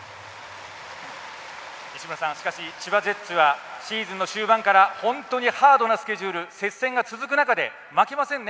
西村さん、千葉ジェッツはシーズン終盤から本当にハードなスケジュール接戦が続く中で負けませんね。